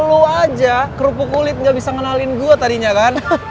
lu aja kerupuk kulit nggak bisa ngenalin gue tadinya kan